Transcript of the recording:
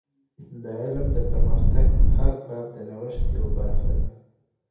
د علم د پرمختګ هر باب د نوښت یوه برخه ده.